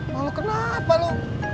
malu kenapa lu